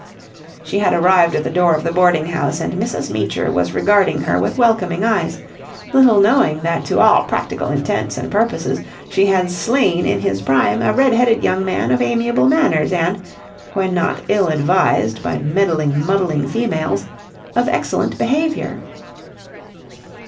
She had arrived at the door of the boarding house, and Mrs. Meecher was regarding her with welcoming eyes, little knowing that to all practical intents and purposes she had slain in his prime a red headed young man of amiable manners and when not ill advised by meddling, muddling females of excellent behaviour.